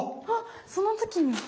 あっその時に！